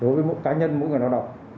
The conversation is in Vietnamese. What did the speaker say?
đối với cá nhân mỗi người lao động